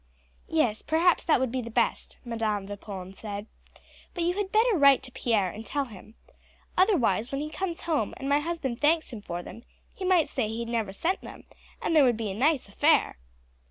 "Yes, perhaps that would be the best," Madam Vipon said; "but you had better write to Pierre and tell him. Otherwise when he comes home, and my husband thanks him for them, he might say he had never sent them, and there would be a nice affair."